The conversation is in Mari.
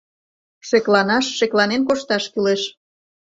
— Шекланаш, шекланен кошташ кӱлеш...